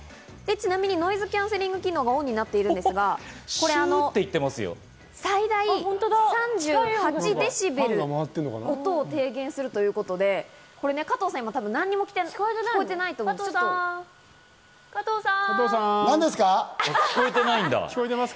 ちなみにノイズキャンセリング機能がオンになってるんですが、最大３８デシベル、音を軽減するということで、加藤さん！何も加藤さん？